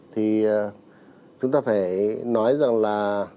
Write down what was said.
thì chúng ta phải nói rằng là